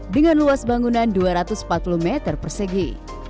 dengan luas bangunan dua ratus empat puluh meter persegi